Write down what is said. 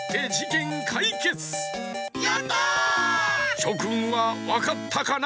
しょくんはわかったかな？